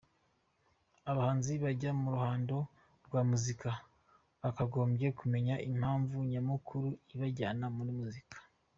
Abahanzi bajya mu ruhando rwa muzika, bakagombye kumenya impamvu nyamukuru ibajyanye muri muzika.